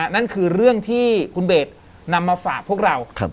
นั่นคือเรื่องที่คุณเบสนำมาฝากพวกเรา